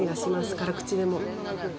辛口でも。